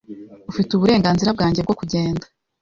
Ufite uburenganzira bwanjye bwo kugenda .